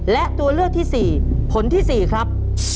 และตัวเลือกที่๔ผลที่๔ครับ